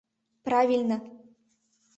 Правильно.